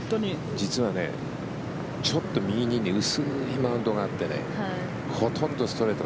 実はちょっと右に薄いマウンドがあってほとんどストレート